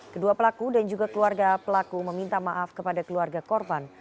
kedua pelaku dan juga keluarga pelaku meminta maaf kepada keluarga korban